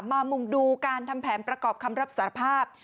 มุ่งดูการทำแผนประกอบคำรับสารภาพ